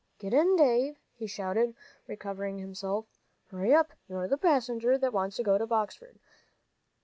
"Get in, Dave," he shouted, recovering himself. "Hurry up. You're the passenger that wants to go to Boxford.